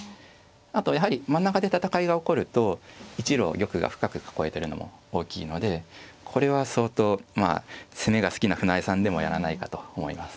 あとやはり真ん中で戦いが起こると一路玉が深く囲えてるのも大きいのでこれは相当まあ攻めが好きな船江さんでもやらないかと思います。